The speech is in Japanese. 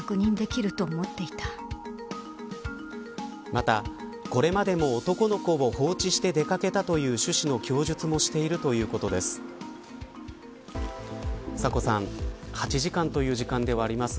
また、これまでも男の子を放置して出掛けたという趣旨の供述もしているということです。